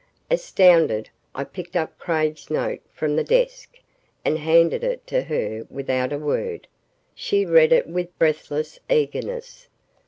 Astounded, I picked up Craig's note from the desk and handed it to her without a word. She read it with breathless eagerness.